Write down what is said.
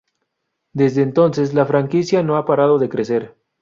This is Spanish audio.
Desde entonces, la franquicia no ha parado de crecer.